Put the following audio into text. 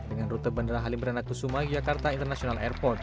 dengan rute bandara halimberanakusuma yogyakarta international airport